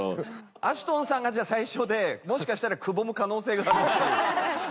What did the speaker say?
アシュトンさんがじゃあ最初でもしかしたらくぼむ可能性があるっていう。